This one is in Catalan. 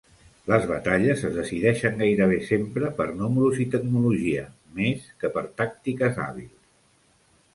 Les batalles es decideixen gairebé sempre per números i tecnologia més que per tàctiques hàbils.